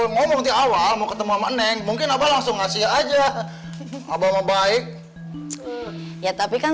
ngomong di awal mau ketemu mane mungkin abah langsung ngasih aja abang baik ya tapi kan